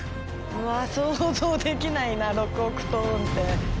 うわあ想像できないな６億トンって。